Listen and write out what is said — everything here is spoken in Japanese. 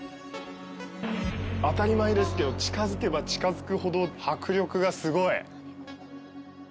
当たり前ですけど近づけば近づくほど迫力がすごい。